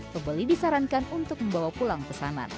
pembeli disarankan untuk membawa pulang pesanan